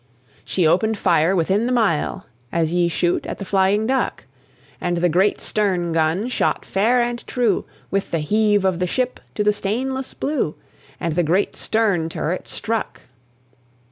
She opened fire within the mile As ye shoot at the flying duck And the great stern gun shot fair and true, With the heave of the ship, to the stainless blue, And the great stern turret stuck.